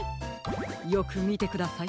よくみてください。